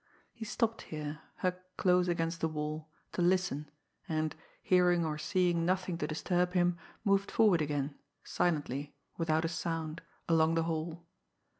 He stopped here, hugged close against the wall, to listen, and, hearing or seeing nothing to disturb him, moved forward again, silently, without a sound, along the hall.